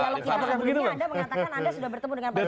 anda mengatakan anda sudah bertemu dengan pak jokowi